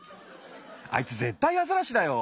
あいつぜったいアザラシだよ。